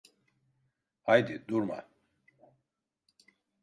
Haydi, durma!